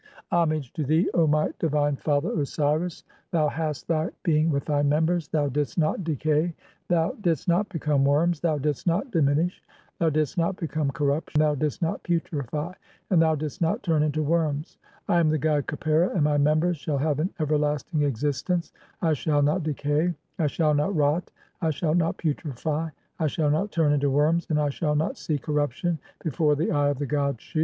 "Homage to thee, O my divine father Osiris, thou hast thy "being with thy members. (16) Thou didst not decay, thou didst 1. /.<?., the death of the body. 284 THE CHAPTERS OF COMING FORTH BY DAY. "not become worms, thou didst not diminish, thou didst not "become corruption, thou didst not putrefy, and thou didst not "turn into worms. I am the god Khepera, and my members "shall have an everlasting existence. (17) I shall not decay, I "shall not rot, I shall not putrefy, I shall not turn into worms, "and I shall not see corruption before the eye of the god Shu.